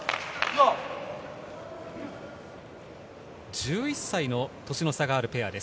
１１歳の年の差があるペアです。